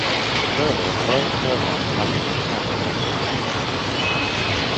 Further, both programs have to consent to such competitions.